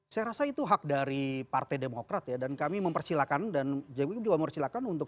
saya rasa itu hak dari partai demokrat ya dan kami mempersilahkan dan jokowi juga mempersilahkan untuk